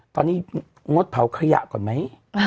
ตอนนี้งดเผาขยะก่อนไหม